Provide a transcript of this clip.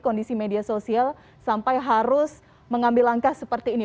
kondisi media sosial sampai harus mengambil langkah seperti ini